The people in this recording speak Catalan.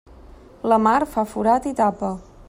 La mar fa forat i tapa.